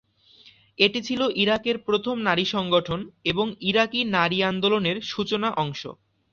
এটি ছিল ইরাকের প্রথম নারী সংগঠন এবং ইরাকী নারী আন্দোলনের সূচনা অংশ।